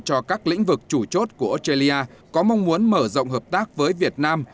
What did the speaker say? cho các lĩnh vực chủ chốt của australia có mong muốn mở rộng hợp tác với việt nam